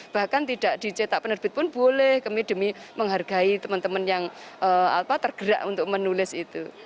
bahkan tidak dicetak penerbit pun boleh kami demi menghargai teman teman yang tergerak untuk menulis itu